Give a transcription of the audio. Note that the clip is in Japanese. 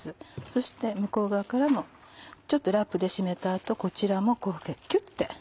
そして向こう側からもちょっとラップで締めた後こちらもこうキュって。